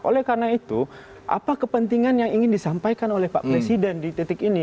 oleh karena itu apa kepentingan yang ingin disampaikan oleh pak presiden di titik ini